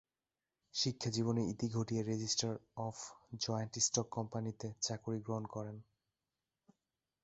শিক্ষাজীবনের ইতি ঘটিয়ে registrar of joint stock কোম্পানিতে চাকুরি গ্রহণ করেন।